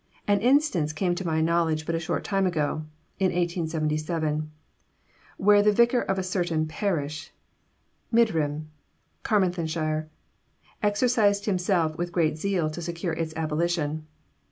An instance came to my knowledge but a short time ago, (in 1877,) where the vicar of a certain parish (Mydrim, Carmarthenshire) exercised himself with great zeal to secure its abolition.